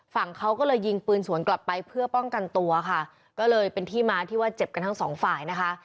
ฝั่งเขาก็เลยยิงปืนสวนกลับไปเพื่อป้องกันตัวค่ะก็เลยเป็นที่มาที่ว่าเจ็บกันทั้งสองฝ่ายนะคะ